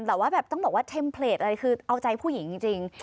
แต่ว่าแบบต้องบอกว่าเทมเพลตอะไรคือเอาใจผู้หญิงจริง